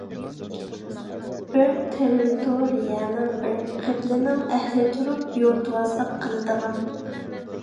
بىر تېررىتورىيەنىڭ، بىر قىبلىنىڭ ئەھلى تۇرۇپ يۇرتۋازلىق قىلىدىغان.